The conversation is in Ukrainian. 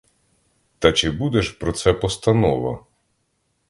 Та чи буде ж про це постанова?